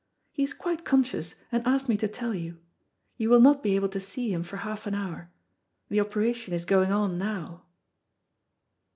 He is quite conscious, and asked me to tell you. You will not be able to see him for half an hour. The operation is going on now."